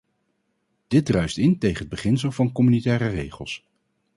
Dit druist in tegen het beginsel van communautaire regels.